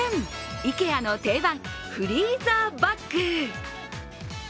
ＩＫＥＡの定番フリーザーバッグ。